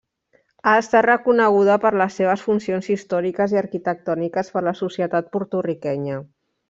Ha estat reconeguda per les seves funcions històriques i arquitectòniques per la societat porto-riquenya.